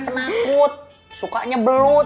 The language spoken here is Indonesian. per nitima bukit itu sudah countries zealand